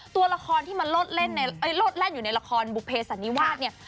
ตัวละครที่มันโลดแล่นอยู่ในละครบุเภสันนิวาสเนี่ย